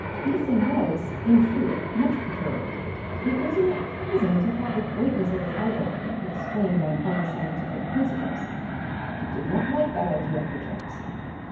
Beason was in truth much perturbed. It was not pleasing to have the greatness of his idol explained on unscientific principles. He did not like that idea of the jumps.